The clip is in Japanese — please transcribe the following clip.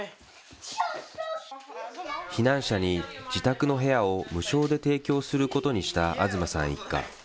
避難者に自宅の部屋を無償で提供することにした東さん一家。